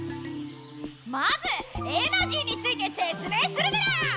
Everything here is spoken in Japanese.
まずエナジーについてせつ明するメラ！